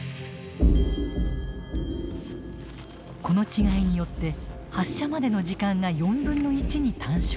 この違いによって発射までの時間が４分の１に短縮。